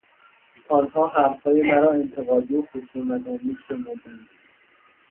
آنها حرفهای مرا انتقادی و خصومتآمیز شمردند